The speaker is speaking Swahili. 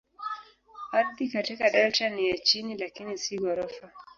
Ardhi katika delta ni ya chini lakini si ghorofa.